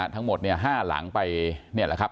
ทั้งหมดเนี่ยห้าหลังไปเนี่ยแหละครับ